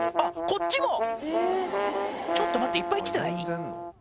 こっちもちょっと待っていっぱい来てない？